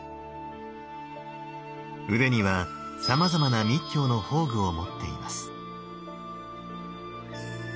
腕にはさまざまな密教の法具を持っています。